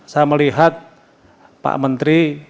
saya melihat pak menteri